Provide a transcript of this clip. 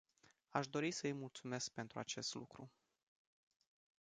Aș dori să îi mulțumesc pentru acest lucru.